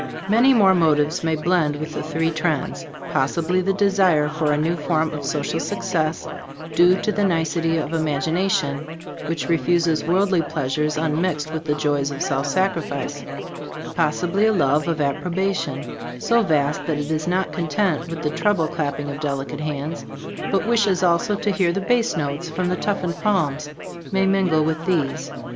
Many more motives may blend with the three trends; possibly the desire for a new form of social success due to the nicety of imagination, which refuses worldly pleasures unmixed with the joys of self sacrifice; possibly a love of approbation, so vast that it is not content with the treble clapping of delicate hands, but wishes also to hear the bass notes from toughened palms, may mingle with these.